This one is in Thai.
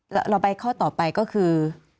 เราไปข้อต่อไปก็คือ